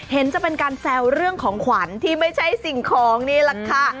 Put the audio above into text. จะเป็นการแซวเรื่องของขวัญที่ไม่ใช่สิ่งของนี่แหละค่ะ